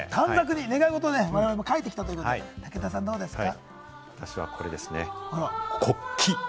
短冊に願い事、我々も書いてきたということで、武田さん、どうですか？